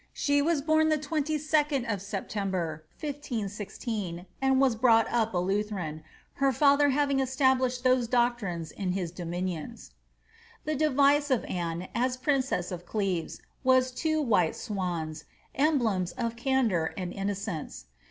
She was bom the tid of September, 1516, and was brought up a Lutheran, her father having establiahed those doctrines in his dominions/ The device of Anne, as princess of Cleves, was two white swans, fmblems of candour and innocence.